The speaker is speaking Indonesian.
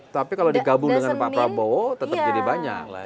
tapi kalau di gabung dengan pak prabowo tetap jadi banyak lah ya